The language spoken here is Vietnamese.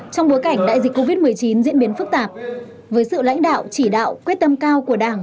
trong bối cảnh đại dịch covid một mươi chín diễn biến phức tạp với sự lãnh đạo chỉ đạo quyết tâm cao của đảng